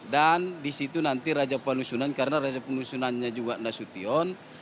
dan disitu nanti raja panusunan karena raja panusunanya juga nasution